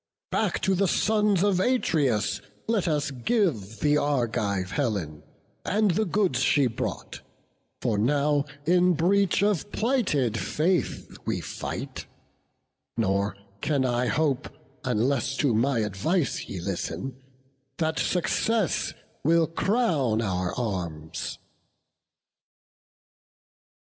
Back to the sons of Atreus let us give The Argive Helen, and the goods she brought; For now in breach of plighted faith we fight: Nor can I hope, unless to my advice Ye listen, that success will crown our arms."